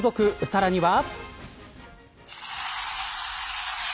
さらには。